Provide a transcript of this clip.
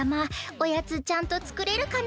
おやつちゃんとつくれるかな？